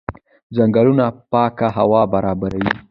ځنګلونه پاکه هوا برابروي.